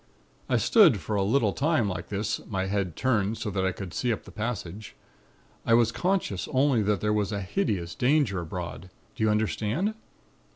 I stood for a little time like this, my head turned so that I could see up the passage. I was conscious only that there was a hideous danger abroad. Do you understand?